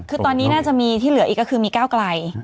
คือตอนนี้น่าจะมีที่เหลืออีกก็คือมีก้าวไกล